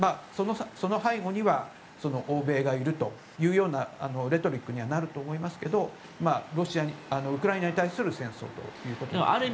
その背後には欧米がいるというようなレトリックにはなると思いますけれどもウクライナに対する戦争ということになると。